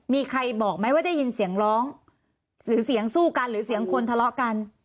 มีใครบอกไหมว่าได้ยินเสียงร้องหรือเสียงสู้กันหรือเสียงคนทะเลาะกัน